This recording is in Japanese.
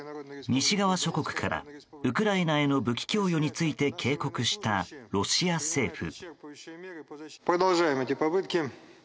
西側諸国からウクライナへの武器供与について警告したロシア政府。